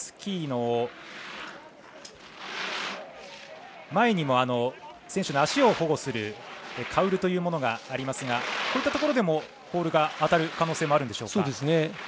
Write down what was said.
スキーの前にも選手の足を保護するカウルというものがありますがこういったところにもポールが当たる可能性があるんでしょうか。